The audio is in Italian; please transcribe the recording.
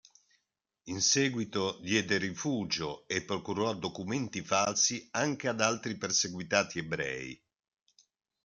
In seguito diede rifugio e procurò documenti falsi anche ad altri perseguitati ebrei.